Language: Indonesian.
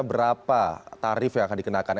berapa tarif yang akan dikenakan